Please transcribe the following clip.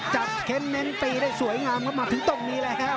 จับเข้นเน้นตีได้สวยงามมาถึงตรงนี้แหละ